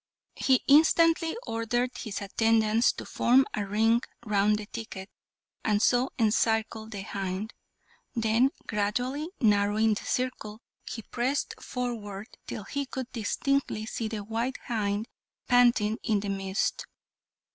He instantly ordered his attendants to form a ring round the thicket, and so encircle the hind; then, gradually narrowing the circle, he pressed forward till he could distinctly see the white hind panting in the midst.